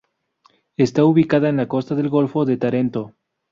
Está ubicada en la costa del golfo de Tarento.